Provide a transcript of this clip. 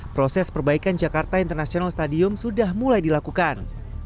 proses perbaikan jakarta international stadium sudah mulai dilakukan